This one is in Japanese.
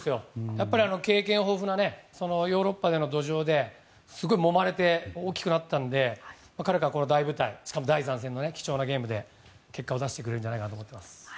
やっぱり経験豊富なヨーロッパでの土壌ですごいもまれて大きくなったので彼がこの舞台第３戦の貴重なゲームで結果を出してくれるんじゃないかと思います。